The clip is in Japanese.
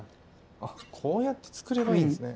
あこうやってつくればいいんですね。